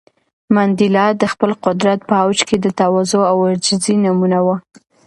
منډېلا د خپل قدرت په اوج کې د تواضع او عاجزۍ نمونه و.